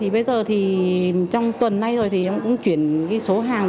bây giờ trong tuần này ông cũng chuyển số hàng